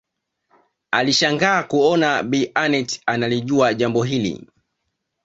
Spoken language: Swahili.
Alishangaa kuona Bi Aneth analijua jambo hili